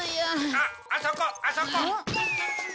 あっあそこあそこ！